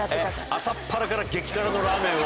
朝っぱらから激辛のラーメンを。